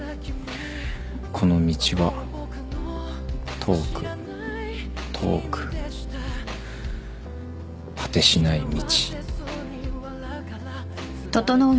「この道は遠く遠くはてしない道」